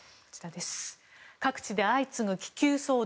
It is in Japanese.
各地で相次ぐ気球騒動。